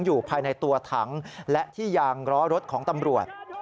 อยู่ภายในตัวถังและที่ยางล้อรถของตำรวจ